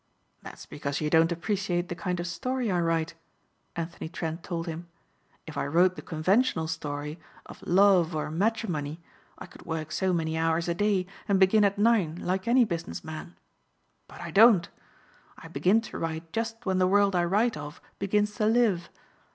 "That's because you don't appreciate the kind of story I write," Anthony Trent told him. "If I wrote the conventional story of love or matrimony I could work so many hours a day and begin at nine like any business man. But I don't. I begin to write just when the world I write of begins to live.